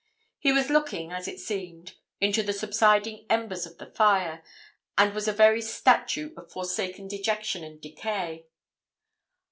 He was looking, as it seemed, into the subsiding embers of the fire, and was a very statue of forsaken dejection and decay.